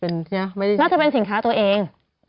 น่าจะเป็นสินค้าตัวเอง